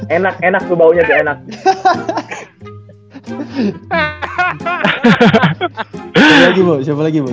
enak enak tuh baunya dia enak